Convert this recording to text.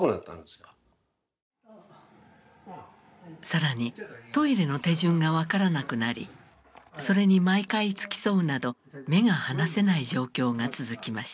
更にトイレの手順が分からなくなりそれに毎回付き添うなど目が離せない状況が続きました。